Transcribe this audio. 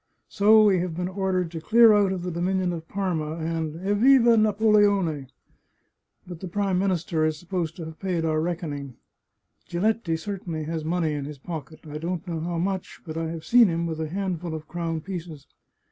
So we have been ordered to clear out of the dominion of Parma, and, Evriva Napoleone! But the Prime Minister is supposed to have paid our reckoning. Giletti certainly has money in his pocket. I don't know how much, but I have seen him with a handful of crown pieces.